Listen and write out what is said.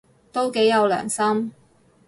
都幾有良心